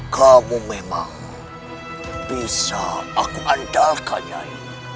kamu memang bisa aku andalkan yai